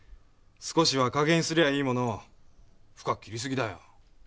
少しは加減すりゃいいものを深く切りすぎだよ。